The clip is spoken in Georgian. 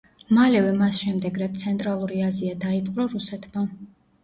მალევე მას შემდეგ, რაც ცენტრალური აზია დაიპყრო რუსეთმა.